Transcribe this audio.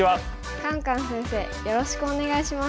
カンカン先生よろしくお願いします。